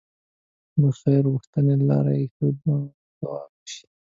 د خير غوښتنې لاره ښې دعاوې وشي.